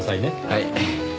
はい。